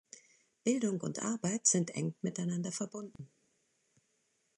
Bildung und Arbeit sind eng miteinander verbunden.